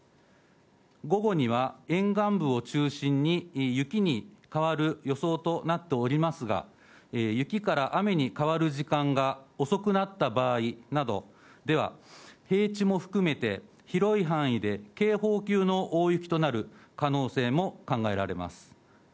午後には沿岸部を中心に、雪に変わる予想となっておりますが、雪から雨に変わる時間が遅くなった場合などでは、平地も含めて、広い範囲で警報級の大雪となる可能性も考えられます。